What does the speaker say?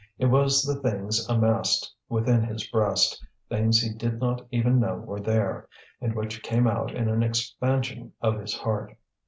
It was the things amassed within his breast, things he did not even know were there, and which came out in an expansion of his heart.